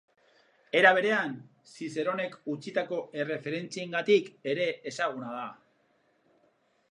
Era berean, Zizeronek utzitako erreferentziengatik ere ezaguna da.